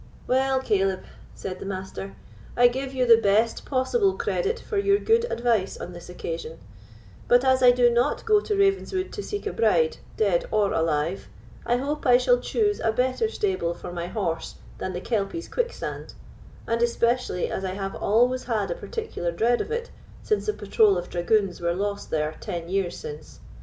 "Well, Caleb," said the Master, "I give you the best possible credit for your good advice on this occasion; but as I do not go to Ravenswood to seek a bride, dead or alive, I hope I shall choose a better stable for my horse than the Kelpie's quicksand, and especially as I have always had a particular dread of it since the patrol of dragoons were lost there ten years since.